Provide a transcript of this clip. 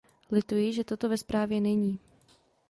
Lituji, že toto ve zprávě není.